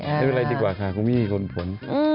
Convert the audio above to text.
ต้องกินแบบนี้ดีกว่าค่ะกูไม่มีคนผล